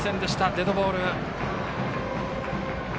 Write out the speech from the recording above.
デッドボール。